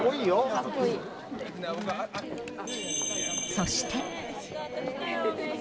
そして。